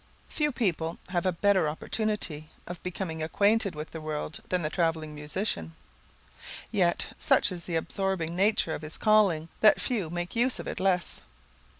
Few people have a better opportunity of becoming acquainted with the world than the travelling musician; yet such is the absorbing nature of his calling, that few make use of it less.